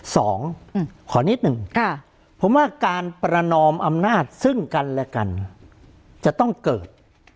ขอนิดหนึ่งค่ะผมว่าการประนอมอำนาจซึ่งกันและกันจะต้องเกิด